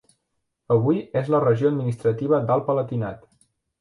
Avui, és a la regió administrativa d'Alt Palatinat.